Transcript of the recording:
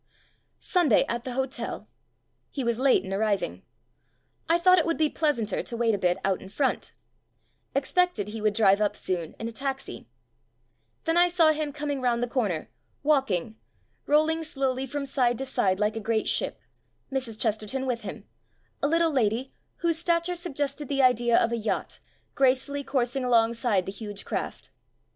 «««« Sunday at the hotel. He was late in ^6 THE BOOKMAN arriving. I thought it would be pleas anter to wait a bit out in front. Ex pected he would drive up soon in a taxi. Then I saw him coming round the corner, walking, rolling slowly from side to side like a great ship, Mrs. Chesterton with him — a little lady whose stature suggested the idea of a yacht gracefully coursing along side the huge craft.